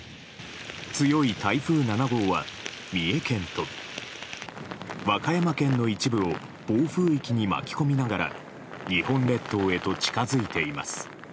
強い台風７号は三重県と和歌山県の一部を暴風域に巻き込みながら日本列島へと近づいています。